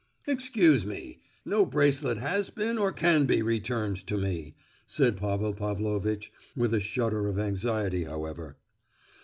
"Excuse me, no bracelet has been, or can be returned to me," said Pavel Pavlovitch, with a shudder of anxiety, however.